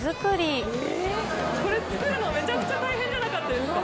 これ作るの、めちゃくちゃ大変じゃなかったですか？